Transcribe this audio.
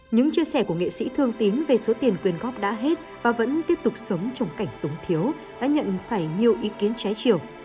những chia sẻ của nghệ sĩ thương tín về số tiền quyên góp đã hết và vẫn tiếp tục sống trong cảnh túng thiếu đã nhận phải nhiều ý kiến trái chiều